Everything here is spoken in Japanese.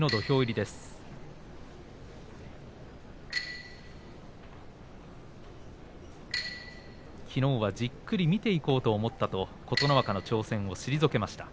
柝きの音きのうはじっくり見ていこうと思ったと、琴ノ若の挑戦を退けました